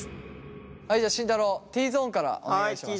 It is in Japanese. はいじゃあ慎太郎Ｔゾーンからお願いします。